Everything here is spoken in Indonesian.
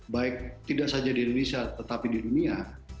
baik tidak saja di indonesia tetapi di dunia